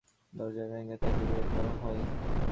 দরজা ভেঙে তাঁকে বের করা হয়।